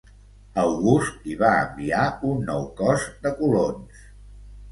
August hi va enviar un nou cos de colons.